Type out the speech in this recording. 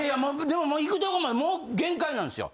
でもいくとこまでもう限界なんですよ。